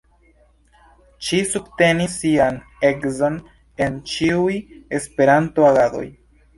Ŝi subtenis sian edzon en ĉiuj Esperanto-agadoj.